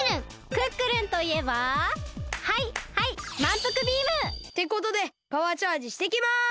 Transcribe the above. クックルンといえばはいはいまんぷくビーム！ってことでパワーチャージしてきます！